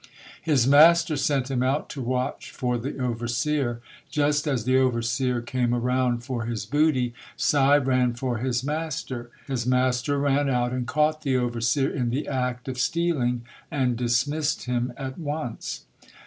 His master sent him out to watch JOSIAH HENSON [ 193 for the overseer. Just as the overseer came around for his booty, Si ran for his master. His master ran out and caught the overseer in the act of stealing and dismissed him at once.